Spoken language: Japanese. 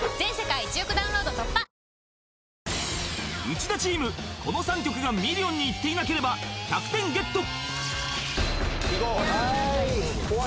内田チームこの３曲がミリオンにいっていなければ１００点ゲット！